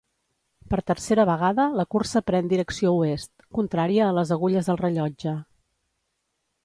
Per tercera vegada la cursa pren direcció oest, contrària a les agulles del rellotge.